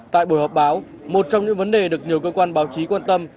tại buổi họp báo một trong những vấn đề được nhiều cơ quan báo chí quan tâm